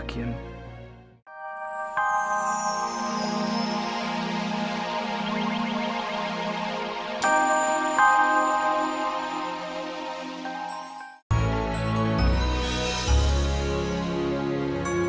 aku sendiri nggak yakin